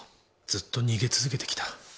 ずっと逃げ続けてきた。